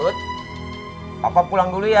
bisa papa pulang dulu ya